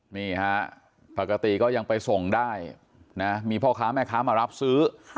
นี่ฮะปกติก็ยังไปส่งได้นะมีพ่อค้าแม่ค้ามารับซื้อ